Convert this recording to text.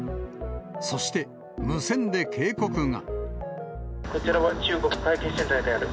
そして、無線で警告が。